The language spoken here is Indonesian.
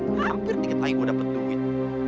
hampir tiga kali gua dapet duit